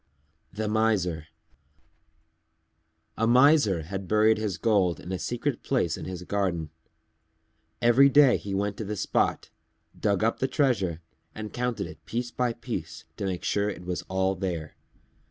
_ THE MISER A Miser had buried his gold in a secret place in his garden. Every day he went to the spot, dug up the treasure and counted it piece by piece to make sure it was all there.